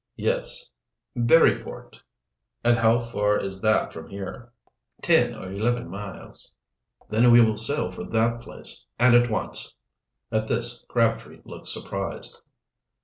"Yes." "Buryport." "And how far is that from here?" "Ten or eleven miles." "Then we will sail for that place, and at once." At this Crabtree looked surprised.